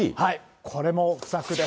これも、不作で。